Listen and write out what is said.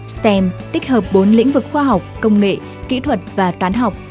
stem tích hợp bốn lĩnh vực khoa học công nghệ kỹ thuật và toán học